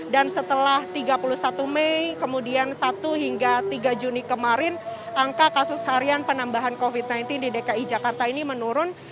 dan setelah tiga puluh satu mei kemudian satu hingga tiga juni kemarin angka kasus harian penambahan covid sembilan belas di dki jakarta ini menurun